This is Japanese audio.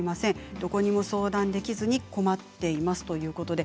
どこにも相談できずに困っていますということです。